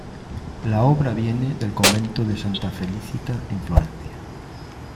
La obra viene del convento de Santa Felicita en Florencia.